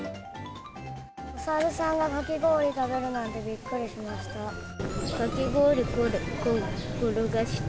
お猿さんがかき氷食べるなんて、びっくりしました。